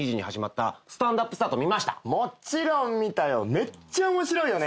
めっちゃ面白いよね。